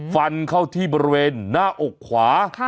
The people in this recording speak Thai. ฟันเข้าที่บริเวณหน้าอกขวา